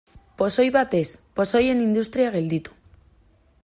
Pozoi bat ez, pozoien industria gelditu.